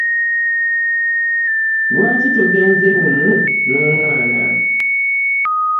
Lwaki togenze lumu n'omwana?